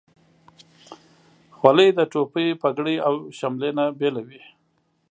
خولۍ د ټوپۍ، پګړۍ، او شملې نه بیله وي.